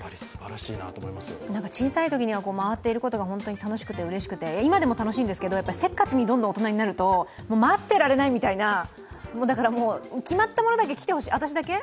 小さいときには回っていることが本当に楽しくて、うれしくて、今でも楽しいんですけど、大人になるとどんどんせっかちになって待ってられないみたいな、決まったものだけ来てほしい私だけ？